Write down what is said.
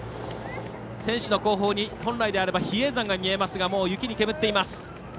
選手の後方に本来であれば比叡山が見えますがもう雪に煙っています。